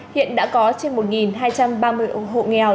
hiện đã có trên một hai trăm ba mươi hộ nghèo